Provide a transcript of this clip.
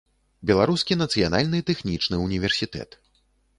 Беларускі нацыянальны тэхнічны ўніверсітэт.